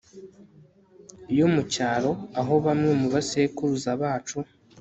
yo mu cyaro aho bamwe mu basekuruza bacu